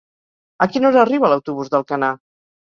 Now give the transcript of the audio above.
A quina hora arriba l'autobús d'Alcanar?